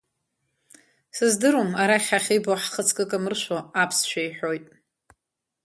Сыздыруам, арахь ҳахьибо ҳхаҵкы камыршәуа, аԥсшәа иҳәоит.